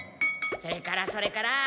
それからそれから。